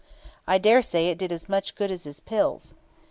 I daresay it did as much good as his pills.